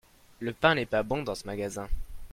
Le pain n'est pas bon dans ce magasin.